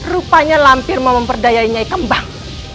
rupanya lampir memperdayai jaih kembang